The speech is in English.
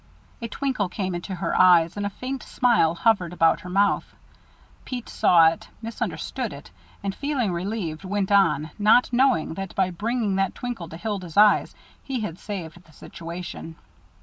A twinkle came into her eyes, and a faint smile hovered about her mouth. Pete saw it, misunderstood it, and, feeling relieved, went on, not knowing that by bringing that twinkle to Hilda's eyes, he had saved the situation.